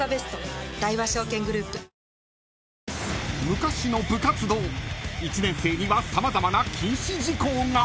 ［昔の部活動１年生には様々な禁止事項が］